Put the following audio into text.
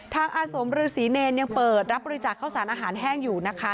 อาสมฤษีเนรยังเปิดรับบริจาคข้าวสารอาหารแห้งอยู่นะคะ